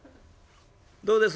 どうです？